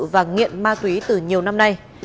và nghiện ma túy từ nhiều năm nay